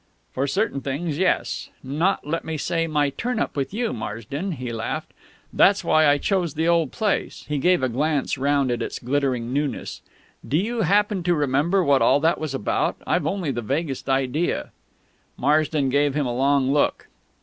"For certain things, yes. Not, let me say, my turn up with you, Marsden," he laughed. "That's why I chose the old place " he gave a glance round at its glittering newness. "Do you happen to remember what all that was about? I've only the vaguest idea." Marsden gave him a long look.